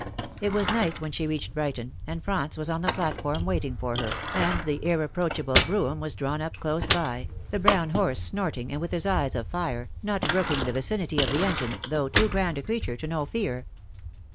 It was night when she reached Brighton, and Franz was on the platform waiting for her. and the irreproachable brougham was drawn up close by, the brown horse snorting, and with eyes of fire, not brooking the vicinity of the engine, though too grand a creature to know fear.